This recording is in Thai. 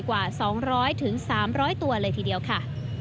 กว่า๒๐๐๓๐๐ตัวเลยทีเดียวค่ะ